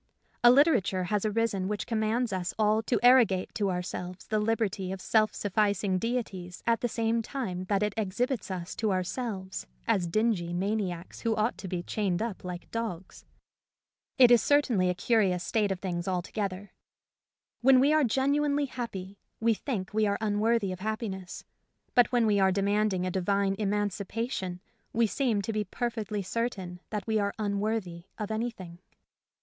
A literature has arisen which commands us all to arrogate to ourselves the liberty of self sufficing deities at the same time that it exhibits us to ourselves as dingy maniacs A Defence of Humility who ought to be chained up like dogs. It is certainly a curious state of things alto gether. When we are genuinely happy, we think we are unworthy of happiness. But when we are demanding a divine emancipation we seem to be perfectly certain that we are unworthy of anything.